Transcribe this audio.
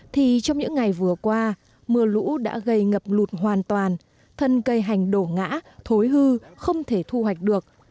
thì trong những ngày vừa qua mưa lũ đã gây ngập lụt hoàn toàn thân cây hành đổ ngã thối hư không thể thu hoạch được